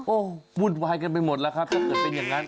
โอ้โหวุ่นวายกันไปหมดแล้วครับถ้าเกิดเป็นอย่างนั้น